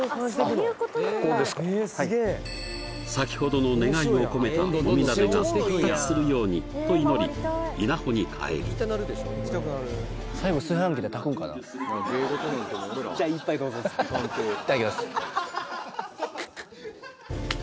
はい先ほどの願いを込めたもみ種が発達するようにと祈り稲穂に換えるいただきます